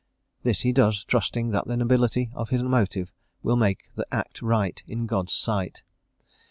This he does, trusting that the nobility of his motive will make the act right in God's sight.